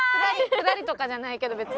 くだりとかじゃないけど別に。